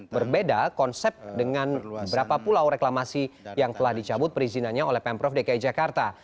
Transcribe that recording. berbeda konsep dengan berapa pulau reklamasi yang telah dicabut perizinannya oleh pemprov dki jakarta